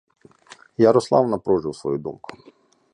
Ярослав напружив свою думку.